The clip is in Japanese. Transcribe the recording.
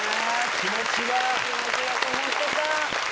気持ちがこもってた。